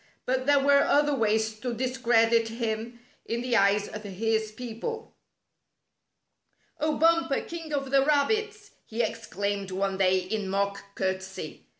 But there were other ways to discredit him in the eyes of his people. "Oh, Bumper, King of the rabbits!" he ex claimed one day in mock courtesy.